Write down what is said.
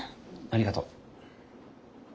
ありがとう。